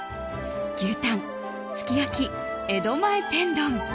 牛タン、すき焼き、江戸前天丼。